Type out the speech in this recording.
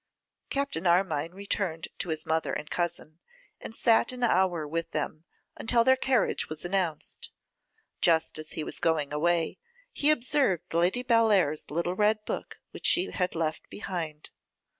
Captain Armine returned to his mother and cousin, and sat an hour with them, until their carriage was announced. Just as he was going away, he observed Lady Bellair's little red book, which she had left behind.